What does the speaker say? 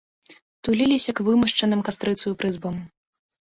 Туліліся к вымашчаным кастрыцаю прызбам.